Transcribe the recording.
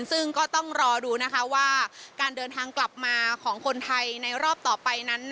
ซึ่งก็ต้องรอดูว่าการเดินทางกลับมาของคนไทยในรอบต่อไปนั้น